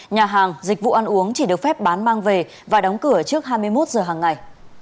nhà hàng dịch vụ ăn uống chỉ được phép bán mang về và đóng cửa trước hai mươi một giờ hàng ngày